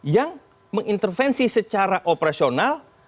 yang mengintervensi secara operasional